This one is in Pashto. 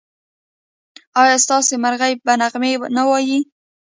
ایا ستاسو مرغۍ به نغمې نه وايي؟